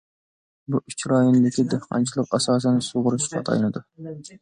بۇ ئۇچ رايوندىكى دېھقانچىلىق ئاساسەن سۇغۇرۇشقا تايىنىدۇ.